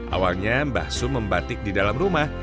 awalnya mbah sum membatik di dalam rumah